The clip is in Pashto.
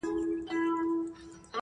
انسان تر کاڼي کلک، تر گل نازک دئ.